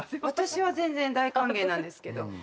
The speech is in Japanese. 私は全然大歓迎なんですけど。